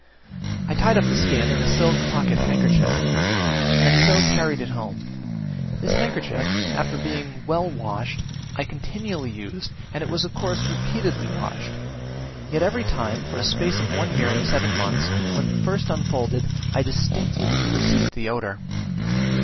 I tied up the skin in a silk pocket handkerchief, and so carried it home: this handkerchief, after being well washed, I continually used, and it was of course as repeatedly washed; yet every time, for a space of one year and seven months, when first unfolded, I distinctly perceived the odour.